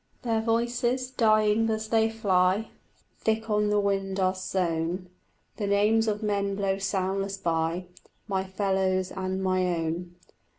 Their voices, dying as they fly, Thick on the wind are sown; The names of men blow soundless by, My fellows' and my own.